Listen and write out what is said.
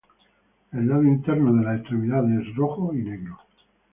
El lado interno de las extremidades es rojo y negro.